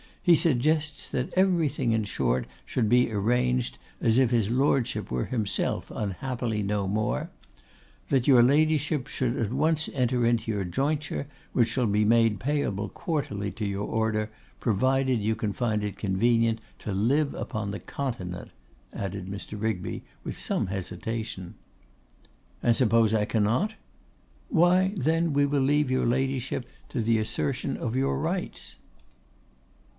He suggests that everything, in short, should be arranged as if his Lordship were himself unhappily no more; that your Ladyship should at once enter into your jointure, which shall be made payable quarterly to your order, provided you can find it convenient to live upon the Continent,' added Mr. Rigby, with some hesitation. 'And suppose I cannot?' 'Why, then, we will leave your Ladyship to the assertion of your rights.